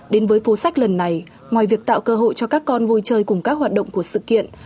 đến với phố sách lần này ngoài việc tạo cơ hội cho các con vui chơi cùng các hoạt động của sự kiện